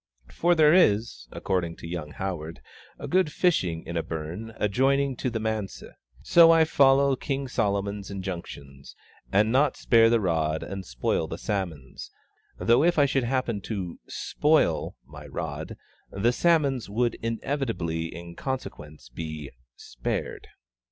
For there is, according to young HOWARD, good fishing in a burn adjoining the Manse, so I shall follow King Solomon's injunctions, and not spare the rod and spoil the salmons, though if I should happen to "spoil" my rod, the salmons would inevitably in consequence be "spared."